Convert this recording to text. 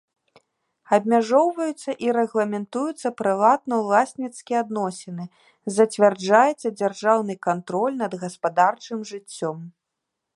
Абмяжоўваюцца і рэгламентуюцца прыватнаўласніцкія адносіны, зацвярджаецца дзяржаўны кантроль над гаспадарчым жыццём.